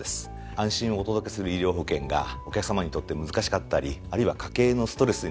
安心をお届けする医療保険がお客さまにとって難しかったりあるいは家計のストレスになったりしてはいけない。